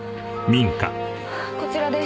こちらです。